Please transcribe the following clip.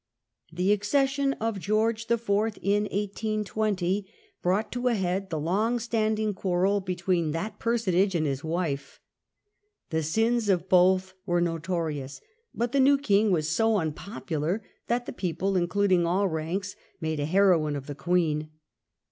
The accession of George the Fourth in 1820 brought to a head the long standing quarrel between that per sonage and his wife. The sins of both were notorious, but the new Ejng was so unpopular that the people, including all ranks, made a heroine of the Queen.